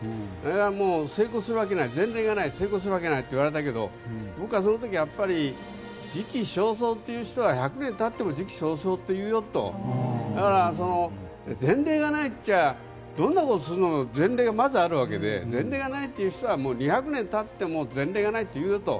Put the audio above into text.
成功するわけない前例がないから成功するわけがないと言われたけど僕はその時時期尚早と言う人は１００年たっても時期尚早というよと。前例がないっちゃどんなことするにも前例がまずあるわけで前例がないと言う人はもう２００年たっても前例がないと言うと。